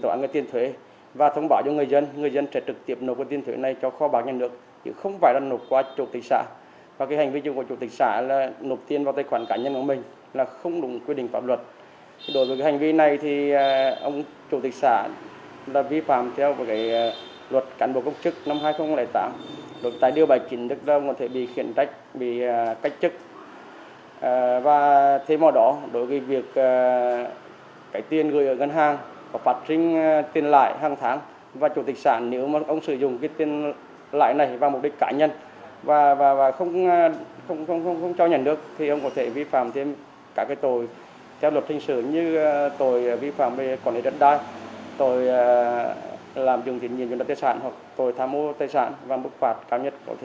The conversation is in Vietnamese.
tội làm dùng tiền nhiên cho đất tài sản hoặc tội tham mưu tài sản và bức phạt cao nhất có thể là từ một mươi năm năm đến hai mươi năm